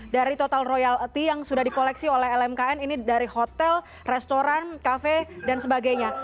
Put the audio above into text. dari total royalti yang sudah di koleksi oleh lmkn ini dari hotel restoran cafe dan sebagainya